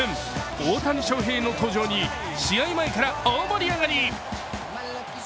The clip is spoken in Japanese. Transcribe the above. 大谷翔平の登場に試合前から大盛り上がり。